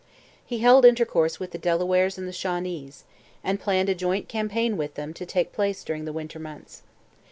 He held intercourse with the Delawares and the Shawnees, and planned a joint campaign with them to take place during the winter months.